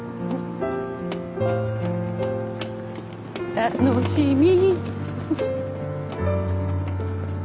楽しみ